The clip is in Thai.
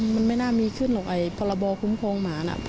มันไม่น่ามีขึ้นหรอกไอ้พรบคุ้มครองหมาน่ะ